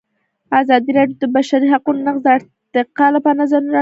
ازادي راډیو د د بشري حقونو نقض د ارتقا لپاره نظرونه راټول کړي.